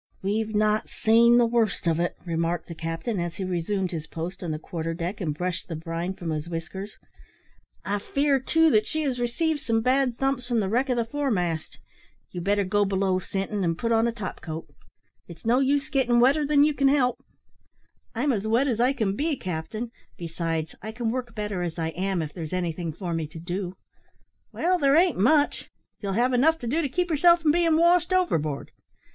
"We've not seen the worst of it," remarked the captain, as he resumed his post on the quarter deck, and brushed the brine from his whiskers; "I fear, too, that she has received some bad thumps from the wreck of the foremast. You'd better go below, Sinton, and put on a topcoat; its no use gettin' wetter than you can help." "I'm as wet as I can be, captain; besides, I can work better as I am, if there's anything for me to do." "Well, there ain't much: you'll have enough to do to keep yourself from being washed overboard.